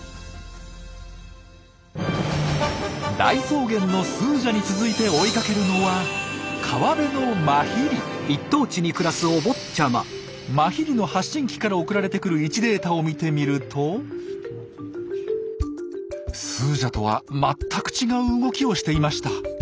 大草原のスージャに続いて追いかけるのはマヒリの発信機から送られてくる位置データを見てみるとスージャとは全く違う動きをしていました。